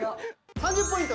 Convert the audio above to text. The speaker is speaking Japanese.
３０ポイント